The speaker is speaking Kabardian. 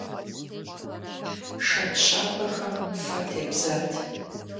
Шэнт щабэхэм фэ тебзат.